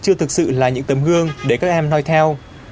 chưa thực sự là những tấm gương để các em nói theo